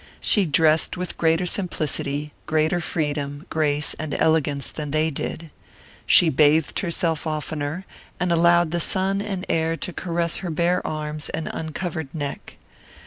She dressed with greater simplicity, greater freedom, grace, and elegance than they did. She bathed herself oftener; and allowed the sun and air to caress her bare arms and uncovered neck.